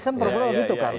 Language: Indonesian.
kan problemnya begitu kan